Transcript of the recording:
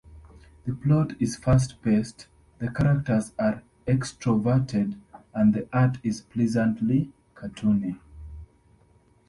The plot is fast-paced, the characters are extroverted, and the art is pleasantly cartoony.